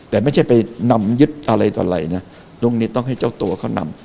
แต่ไม่ใช่ไปนำยึดอะไรต่ออะไรนะตรงนี้ต้องให้เจ้าตัวเขานำ